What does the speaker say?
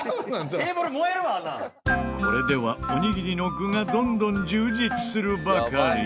これではおにぎりの具がどんどん充実するばかり。